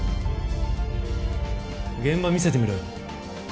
現場見せてみろよ。